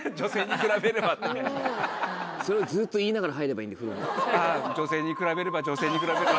それをずっと言いながら入ればいいんだよ風呂。